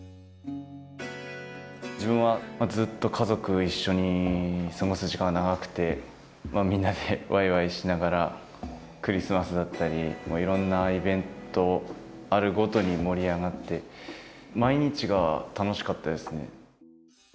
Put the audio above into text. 自分はずっと家族一緒に過ごす時間が長くてみんなでわいわいしながらクリスマスだったりいろんなイベントあるごとに盛り上がって毎日が楽しかったですね。